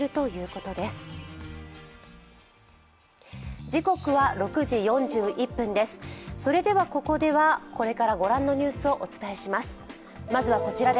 ここではこれから御覧のニュースをお伝えします。